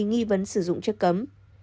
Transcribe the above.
nghi vấn sử dụng chất cấm